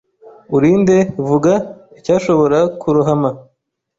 Uri nde Vuga icyashobora kurohama